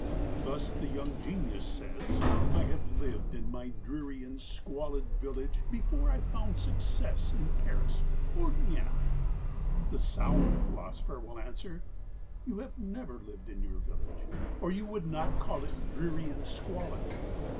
Thus the young genius says, "I have lived in my dreary and squalid village before I found success in Paris or Vienna." The sound philosopher will answer, "You have never lived in your village, or you would not call it dreary and squalid."